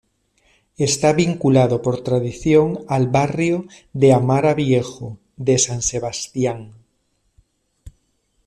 Está vinculado por tradición al barrio de Amara Viejo de San Sebastián.